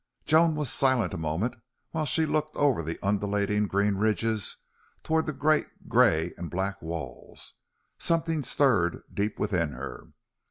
Joan was silent a moment while she looked over the undulating green ridges toward the great gray and black walls. Something stirred deep within her.